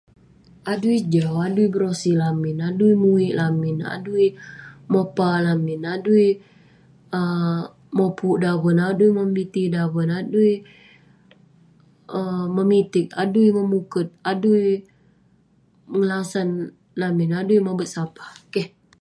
Adui jau, adui berosi lamin, adui muik lamin, adui mopa lamin, adui um mopuk daven, adui memiti daven, adui um memitig, adui memuket, adui melasan lamin, adui mobet sapah. Keh.